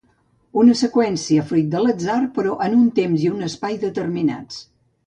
Una seqüència fruit de l'atzar, però en un temps i un espai determinats.